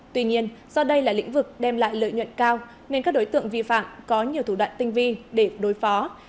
tuy nhiên do đây là lĩnh vực đem lại lợi nhuận cao nên các đối tượng vi phạm có nhiều thủ đoạn tinh vi để đối phó